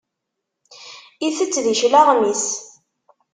Itett di cclaɣem-is.